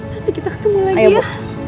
nanti kita ketemu lagi ya